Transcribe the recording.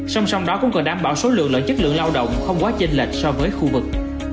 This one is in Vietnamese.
song song đó cũng cần đảm bảo số lượng lợi chất lượng lao động không quá chênh lệch so với khu vực